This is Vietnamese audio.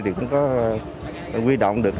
cũng có quy động được